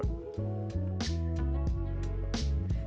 ario dan sastiviani juga menggunakan jasa tukang kayu untuk merombak rumah